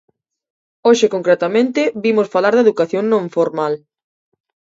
Hoxe concretamente vimos falar de educación non formal.